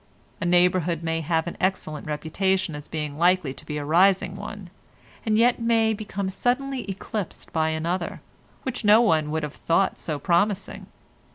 A neighbourhood may have an excellent reputation as being likely to be a rising one, and yet may become suddenly eclipsed by another, which no one would have thought so promising.